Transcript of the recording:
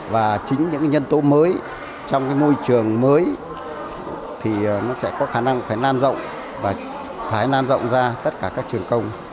và chính những nhân tố mới trong môi trường mới thì nó sẽ có khả năng phải lan rộng và phải lan rộng ra tất cả các trường công